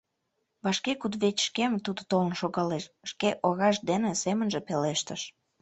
«Вашке кудывечышкем Тудо толын шогалеш», — шке ораж дене семынже пелештыш.